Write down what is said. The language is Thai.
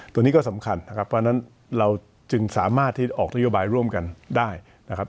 ตัวนี้ก็สำคัญนะครับเพราะฉะนั้นเราจึงสามารถที่ออกนโยบายร่วมกันได้นะครับ